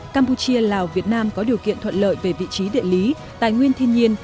campuchia lào việt nam có điều kiện thuận lợi về vị trí địa lý tài nguyên thiên nhiên